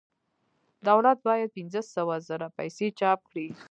دولت باید پنځه سوه زره پیسې چاپ کړي